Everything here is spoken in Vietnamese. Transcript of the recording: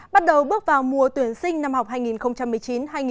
bắt đầu bước vào mùa tuyển sinh năm học hai nghìn một mươi chín hai nghìn hai mươi